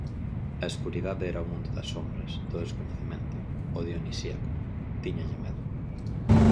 A escuridade era o mundo das sombras, do descoñecemento, o dionisíaco, tíñalle medo.